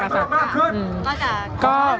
อย่างที่บอกไปว่าเรายังยึดในเรื่องของข้อเรียกร้อง๓ข้อ